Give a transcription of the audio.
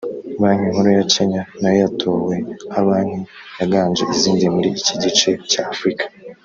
Banki Nkuru ya Kenya nayo yatowe nka Banki yaganje izindi muri iki gice cya Afurika